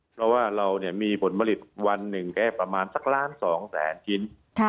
เพราะว่าเรามีผลผลิตวันหนึ่งแค่ประมาณสักล้าน๒แสนชิ้น